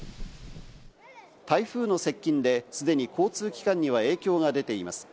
台風の接近で既に交通機関には影響が出ています。